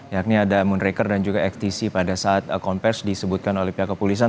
yakni ada moonraker dan juga xtc pada saat konvers disebutkan oleh pihak kepolisian